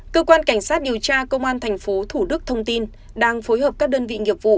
cơ quan cảnh sát điều tra công an tp thủ đức thông tin đang phối hợp các đơn vị nghiệp vụ